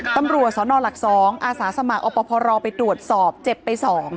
ตำรวจสนหลัก๒อาสาสมัครอพรไปตรวจสอบเจ็บไป๒